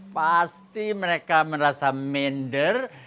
pasti mereka merasa mender